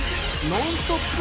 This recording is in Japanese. ノンストップ！